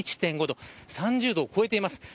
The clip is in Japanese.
３０度を超えています。